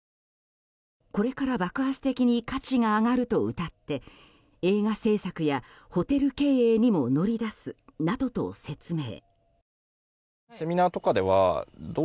これから爆発的に価値が上がるとうたって映画製作やホテル経営にも乗り出すなどと説明。